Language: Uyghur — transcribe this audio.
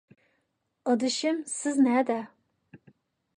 ئادىشىم، سىز نەدە؟